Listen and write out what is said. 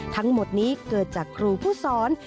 ทั้งหมดนี้เกิดจากครูผู้สอน